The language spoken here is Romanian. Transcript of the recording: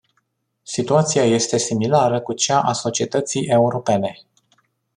Situația este similară cu cea a societății europene.